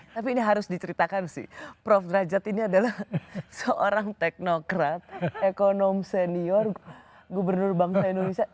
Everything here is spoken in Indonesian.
tapi ini harus diceritakan sih prof derajat ini adalah seorang teknokrat ekonom senior gubernur bangsa indonesia